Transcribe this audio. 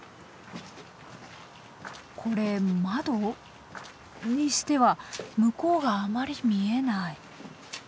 これ窓？にしては向こうがあまり見えない。